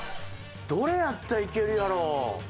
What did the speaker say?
どれやったらいけるやろう？